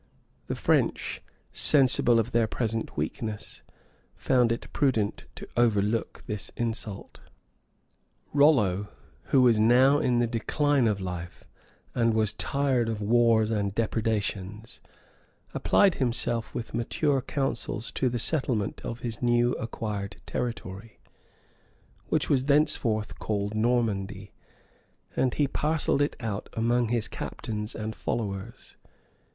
The French, sensible of their present weakness, found it prudent to overlook this insult.[*] [* Gul. Gemet. lib. ii. cap. 17.] Rollo, who was now in the decline of life, and was tired of wars and depredations, applied himself, with mature counsels to the settlement of his new acquired territory, which was thenceforth called Normandy; and he parcelled it out among his captains and followers.